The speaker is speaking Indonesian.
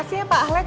makasih ya pak alex